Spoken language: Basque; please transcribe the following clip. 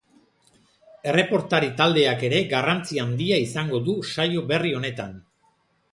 Erreportari taldeak ere garrantzi handia izango du saio berri honetan.